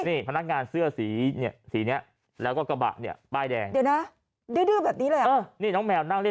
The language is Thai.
นี่พนักงานเสื้อสีนี้แล้วก็กระบะป้ายแดง